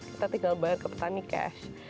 kita tinggal bayar ke petani cash